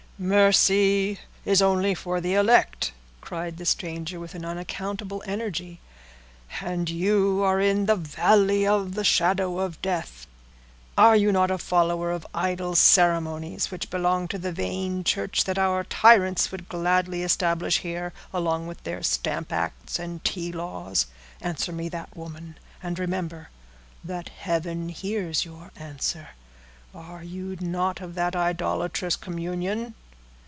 "Mercy is only for the elect," cried the stranger, with an unaccountable energy; "and you are in the 'valley of the shadow of death.' Are you not a follower of idle ceremonies, which belong to the vain church that our tyrants would gladly establish here, along with their stamp acts and tea laws? Answer me that, woman; and remember, that Heaven hears your answer; are you not of that idolatrous communion?"